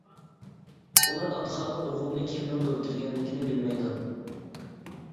ئۇلار ئابدۇخالىق ئۇيغۇرنى كىمنىڭ ئۆلتۈرگەنلىكىنى بىلمەيدۇ.